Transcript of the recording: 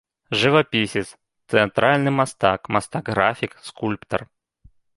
Жывапісец, тэатральны мастак, мастак-графік, скульптар.